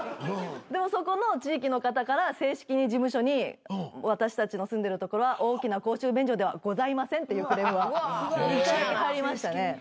そこの地域の方から正式に事務所に「私たちの住んでるところは大きな公衆便所ではございません」っていうクレームは１回だけ入りましたね。